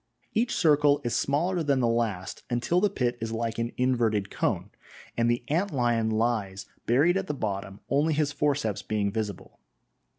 Each circle is smaller than the last, until the pit is like an inverted cone, and the ant lion lies buried at the bottom, only his forceps being visible.